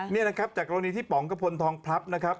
นี่นะครับจากกรณีที่ป๋องกระพลทองพลับนะครับ